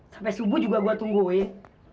sampai subuh juga gue tungguin